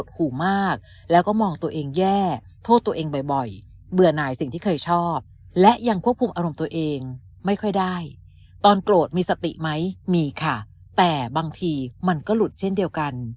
พุ่มอารมณ์ตัวเองไม่ค่อยได้ตอนโกรธมีสติไหมมีค่ะแต่บางทีมันก็หลุดเช่นเดียวกัน